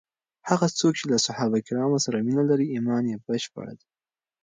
هغه څوک چې له صحابه کرامو سره مینه لري، ایمان یې بشپړ دی.